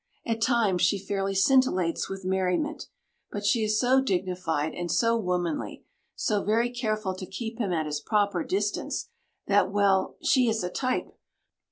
At times, she fairly scintillates with merriment, but she is so dignified, and so womanly so very careful to keep him at his proper distance that, well, "she is a type!"